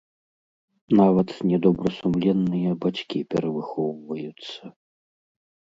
Нават недобрасумленныя бацькі перавыхоўваюцца.